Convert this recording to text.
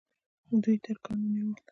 دوی ترکان نه ول.